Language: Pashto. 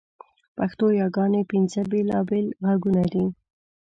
پښتو یاګاني پینځه بېل بېل ږغونه دي.